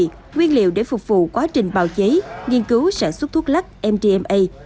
nguyên liệu để phục vụ quá trình bạo cháy nghiên cứu sản xuất thuốc lắc mdma